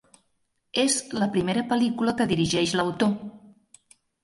És la primera pel·lícula que dirigeix l'autor.